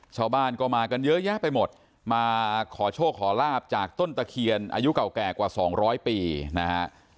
ชาวบ้านก็มากันเยอะแยะไปหมดมาขอโชคขอลาบจากต้นตะเคียนอายุเก่าแก่กว่า๒๐๐ปีนะฮะ